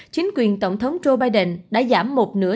chính quyền tổng thống joe biden đã giảm một nửa